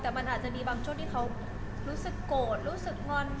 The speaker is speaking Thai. แต่มันอาจจะมีบางช่วงที่เขารู้สึกโกรธรู้สึกงอน